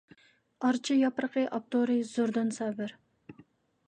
«ئارچا ياپرىقى»، ئاپتورى: زوردۇن سابىر.